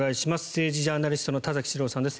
政治ジャーナリストの田崎史郎さんです。